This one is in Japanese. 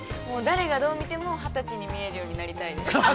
もう誰がどう見ても二十に見えるようになりたいです。